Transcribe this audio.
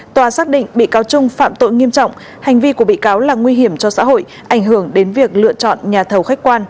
tòa xác định bị cáo trung phạm tội nghiêm trọng hành vi của bị cáo là nguy hiểm cho xã hội ảnh hưởng đến việc lựa chọn nhà thầu khách quan